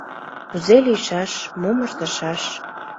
«Кузе лийшаш, мом ыштышаш?»